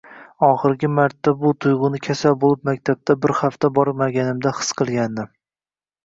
Oxirgi martta shu tuyg‘uni kasal bo‘lib maktabga bir hafta bormaganimda xis qilgandim.